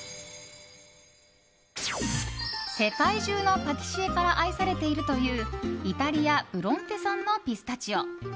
世界中のパティシエから愛されているというイタリア・ブロンテ産のピスタチオ。